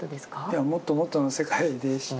いやもっともっとの世界でした。